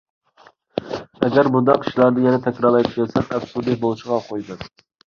ئەگەر مۇنداق ئىشلارنى يەنە تەكرارلايدىكەنسەن، ئەپسۇننى بولۇشىغا ئوقۇيمەن!